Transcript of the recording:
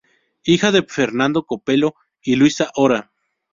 Hija de Fernando Copello y Luisa Hora.